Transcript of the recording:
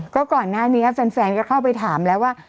ก็ก่อนหน้านี้แฟนก็เข้าไปถามแล้วว่า